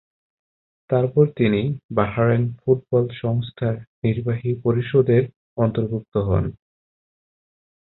তারপর তিনি Bahrain football সংস্থার নির্বাহী পরিষদে অন্তর্ভুক্ত হন।